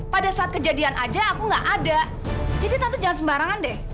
pada saat kejadian aja aku nggak ada jadi tante jangan sembarangan deh